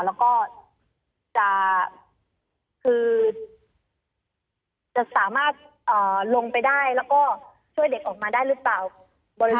แล้วก็จะคือจะสามารถลงไปได้แล้วก็ช่วยเด็กออกมาได้หรือเปล่า